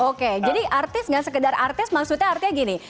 oke jadi artis gak sekedar artis maksudnya artinya gini